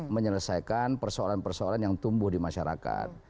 menyelesaikan persoalan persoalan yang tumbuh di masyarakat